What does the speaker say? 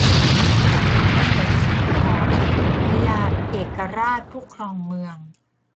มเหสีของพญาเอกราชผู้ครองเมือง